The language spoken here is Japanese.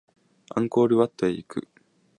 アンコールワットへ行く